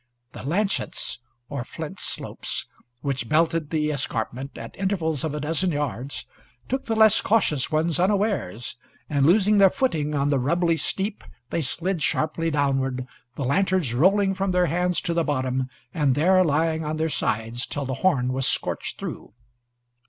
The "lynchets," or flint slopes, which belted the escarpment at intervals of a dozen yards, took the less cautious ones unawares, and, losing their footing on the rubbly steep, they slid sharply downward, the lanterns rolling from their hands to the bottom, and there lying on their sides till the horn was scorched through.